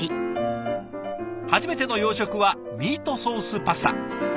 初めての洋食はミートソースパスタ。